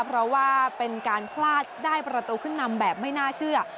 เพราะว่าเป็นการพลาดได้ประตูขึ้นนำแบบไม่น่าเชื่อ